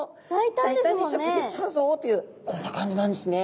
大胆に食事しちゃうぞというこんな感じなんですね。